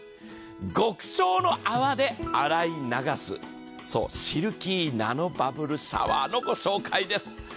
極小の泡で洗い流す、そうシルキーナノバブルシャワーの御紹介です。